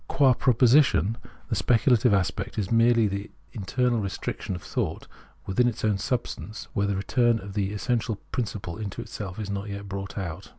Qua proposi tion, the speculative aspect is merely the internal restriction of, thought within its own substance where the return of the essential principle into itself is not yet brought out.